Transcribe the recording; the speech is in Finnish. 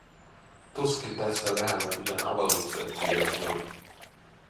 Tuskin tässä lähellä mitään avaruusöttiäisiä on.